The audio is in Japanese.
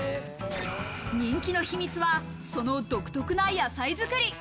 人気の秘密は、その独特な野菜づくり。